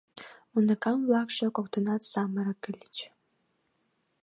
Уныкам-влакше коктынат самырык ыльыч.